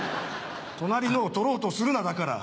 隣のを取ろうとするなだから。